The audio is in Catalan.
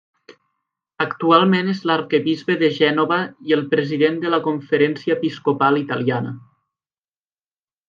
Actualment és l'Arquebisbe de Gènova i el President de la Conferència Episcopal Italiana.